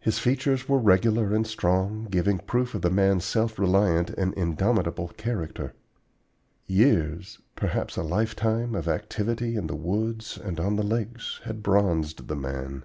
His features were regular and strong, giving proof of the man's self reliant and indomitable character. Years, perhaps a lifetime of activity in the woods and on the lakes, had bronzed the man.